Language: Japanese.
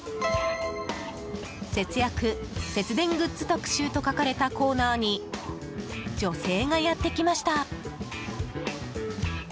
「節約・節電グッズ特集」と書かれたコーナーに女性がやって来ました。